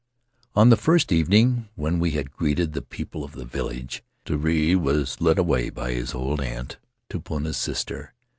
"On the first evening, when we had greeted the people of the village, Terii was led away by his old aunt, Tupuna's sister.